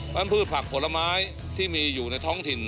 พืชผักผลไม้ที่มีอยู่ในท้องถิ่น